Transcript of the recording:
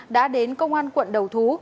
đã đến công an quận đầu thú